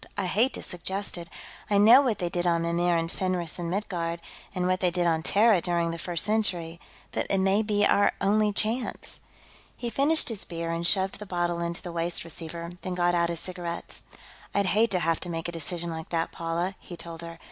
"I hate to suggest it I know what they did on Mimir, and Fenris, and Midgard, and what they did on Terra, during the First Century. But it may be our only chance." He finished his beer and shoved the bottle into the waste receiver, then got out his cigarettes. "I'd hate to have to make a decision like that, Paula," he told her.